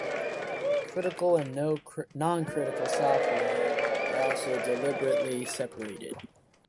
Critical and non-critical software are also deliberately separated.